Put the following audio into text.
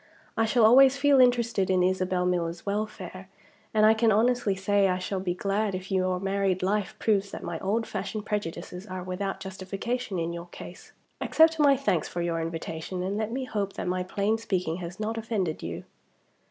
I shall always feel interested in Isabel Miller's welfare; and I can honestly say I shall be glad if your married life proves that my old fashioned prejudices are without justification in your case. Accept my thanks for your invitation; and let me hope that my plain speaking has not offended you."